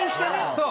そう。